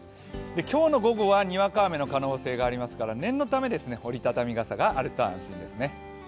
今日の午後はにわか雨の可能性がありますから念のため、折り畳み傘があると安心ですね。